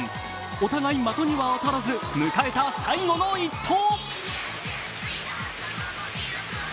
お互い的には当たらず迎えた最後の一投。